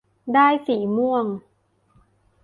ได้สีม่วง